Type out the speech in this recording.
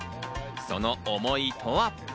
その思いとは。